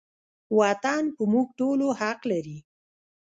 وطن په موږ ټولو حق لري